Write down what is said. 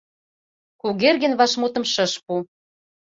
Кугергин вашмутым шыш пу.